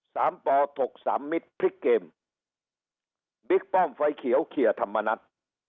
ปถกสามมิตรพลิกเกมบิ๊กป้อมไฟเขียวเคลียร์ธรรมนัฐ